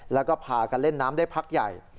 แล้วก็พากันเล่นน้ำได้พักใหญ่